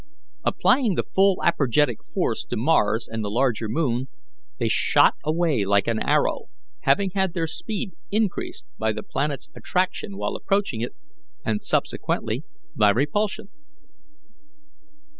Applying the full apergetic force to Mars and the larger moon, they shot away like an arrow, having had their speed increased by the planet's attraction while approaching it, and subsequently by repulsion.